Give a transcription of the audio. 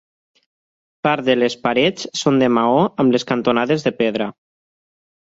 Part de les parets són de maó amb les cantonades de pedra.